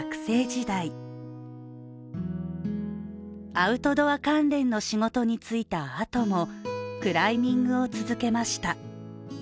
アウトドア関連の仕事に就いたあともクライミングを続けました。